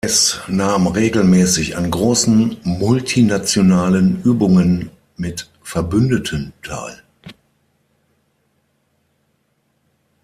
Es nahm regelmäßig an großen multinationalen Übungen mit Verbündeten teil.